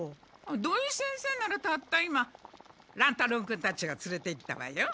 土井先生ならたった今乱太郎君たちがつれていったわよ。